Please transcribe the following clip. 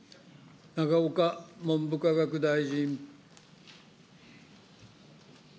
永岡文部科学大臣。